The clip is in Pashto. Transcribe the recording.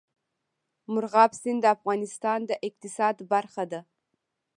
مورغاب سیند د افغانستان د اقتصاد برخه ده.